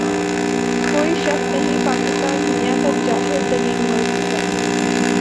کوئی شک نہیں پاکستان دنیا کا جاھل ترین ملک ہے